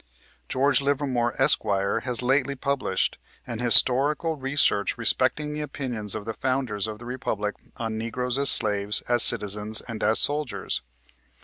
George Livermore, Esq., has lately published " An Historical Re search respecting the Opinions of the Founders of the Republic on Negroes as Slaves, as Citizens, and as Soldiers."